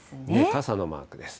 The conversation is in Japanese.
傘のマークです。